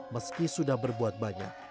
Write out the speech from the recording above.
meski sudah berbuat banyak